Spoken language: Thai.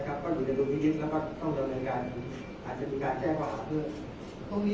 ก็อยู่ในตรงนี้แล้วก็ต้องการแจ้งภาษาเพื่อ